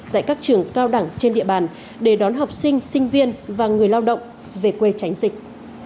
tại các trường cao đẳng trên địa bàn để đón học sinh sinh viên và người lao động về quê tránh dịch